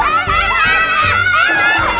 eh eh eh eh